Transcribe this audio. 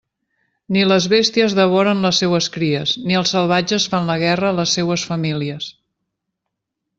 Ni les bèsties devoren les seues cries, ni els salvatges fan la guerra a les seues famílies.